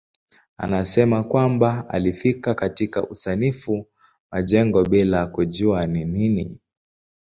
Anasema kwamba alifika katika usanifu majengo bila kujua ni nini.